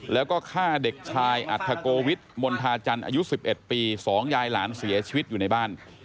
แล้วก็ฆ่าเด็กชายอัธโกวิทมณฑาจันทร์อายุ๑๑ปี๒ยายหลานเสียชีวิตอยู่ในบ้าน